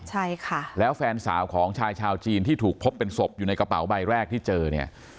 ใช่ค่ะแล้วแฟนสาวของชายชาวจีนที่ถูกพบเป็นศพอยู่ในกระเป๋าใบแรกที่เจอเนี่ย